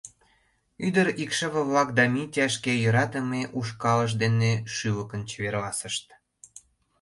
Ӱдыр икшыве-влак да Митя шке йӧратыме ушкалышт дене шӱлыкын чеверласышт.